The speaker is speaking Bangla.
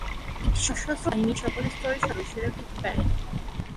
এটি সশস্ত্র বাহিনীর সকল স্তরের সদস্যরা পেতে পারেন।